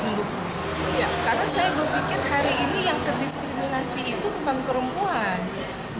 karena saya berpikir hari ini yang kediskriminasi itu bukan perempuan